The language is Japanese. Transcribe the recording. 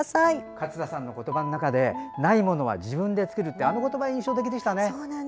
勝田さんの言葉の中にないものは、自分で作るというあの言葉、印象的でしたね。